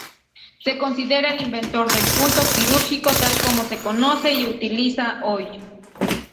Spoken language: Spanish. Se considera el inventor del punto quirúrgico tal como se conoce y utiliza hoy.